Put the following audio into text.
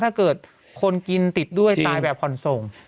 ถ้าเกิดคนกินติดด้วยตายแบบผ่อนส่ง